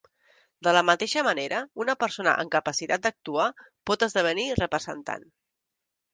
De la mateixa manera, una persona amb capacitat d'actuar pot esdevenir representant.